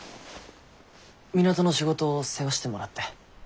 港の仕事を世話してもらって。